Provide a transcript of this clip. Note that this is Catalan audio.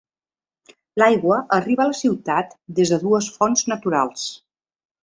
L'aigua arriba a la ciutat des de dues fonts naturals.